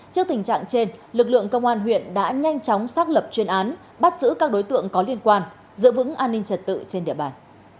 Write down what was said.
trước tình trạng trên lực lượng công an huyện đã nhanh chóng xác lập chuyên án bắt giữ các đối tượng có liên quan giữ vững an ninh trật tự trên địa bàn